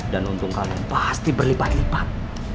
dan untung kalian pasti berlipat lipat